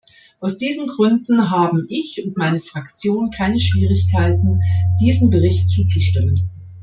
Aus diesen Gründen haben ich und meine Fraktion keine Schwierigkeiten, diesem Bericht zuzustimmen.